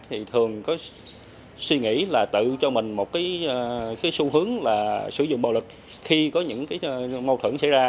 thì thường có suy nghĩ là tự cho mình một cái xu hướng là sử dụng bạo lực khi có những cái mâu thửng xảy ra